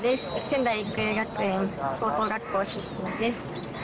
仙台育英学園高等学校出身です。